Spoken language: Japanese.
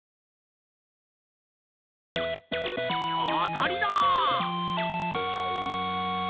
あたりだ！